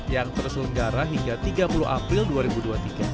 yang terselenggara hingga tiga puluh april dua ribu dua puluh tiga